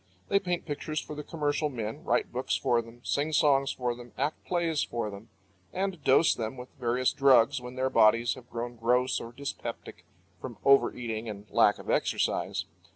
They paint pictures for the commercial men, write books for them, sing songs for them, act plays for them, and dose them with various drugs when their bodies have grown gross or dyspeptic from overeating and lack of exercise.